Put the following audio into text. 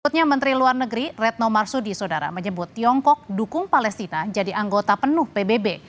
berikutnya menteri luar negeri retno marsudi sodara menyebut tiongkok dukung palestina jadi anggota penuh pbb